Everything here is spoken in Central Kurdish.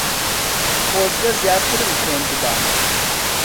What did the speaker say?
خۆزگە زیاترم خوێندبا.